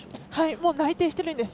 もう内定してるんです。